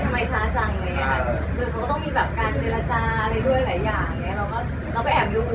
ทำไมช้าจังอย่างนี้ค่ะหรือเขาก็ต้องมีแบบการเจรจาอะไรด้วยหลายอย่าง